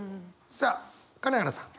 さあ金原さん。